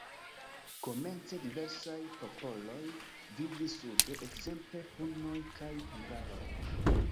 Komence diversaj popoloj vivis sude, ekzemple hunoj kaj hungaroj.